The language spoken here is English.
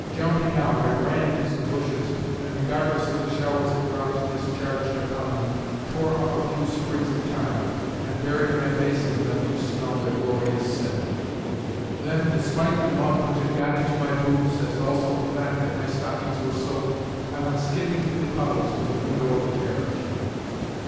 Jumping out, I ran to some bushes, and, regardless of the showers of drops discharged upon me, tore off a few sprigs of thyme, and buried my face in them to smell their glorious scent. Then, despite the mud which had got into my boots, as also the fact that my stockings were soaked, I went skipping through the puddles to the window of the carriage.